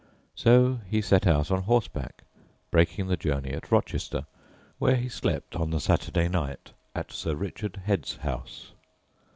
So he set out on horseback, breaking the journey at Rochester, where he slept on the Saturday night at Sir Richard Head's house.